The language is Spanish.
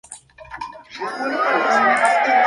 Se encuentra en Mongolia y Rusia asiática.